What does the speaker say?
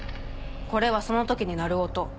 これはその時に鳴る音。